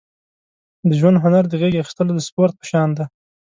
د ژوند هنر د غېږې اېستلو د سپورت په شان دی.